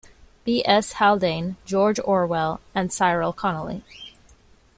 B. S. Haldane, George Orwell and Cyril Connolly.